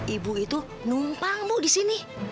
ibu itu numpang bu disini